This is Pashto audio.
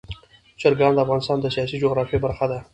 چرګان د افغانستان د سیاسي جغرافیه برخه ده.